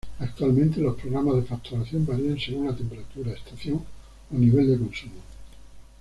Actualmente, los programas de facturación varían según la temperatura, estación o nivel de consumo.